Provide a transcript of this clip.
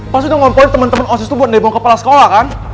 pas udah ngomong temen temen osis lu buat demo ke kepala sekolah kan